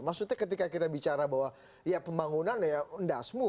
maksudnya ketika kita bicara bahwa pembangunan ya dasmu